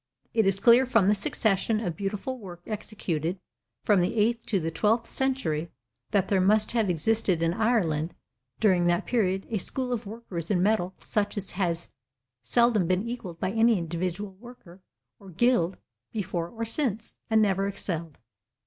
It is clear from the succession of beautiful work executed from the eighth to the twelfth century, that there must have existed in Ireland during that period a school of workers in metal such as has seldom been equalled by any individual worker or guild before or since, and never excelled.